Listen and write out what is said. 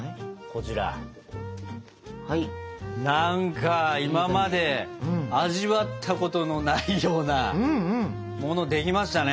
こちら何か今まで味わったことのないようなものできましたね！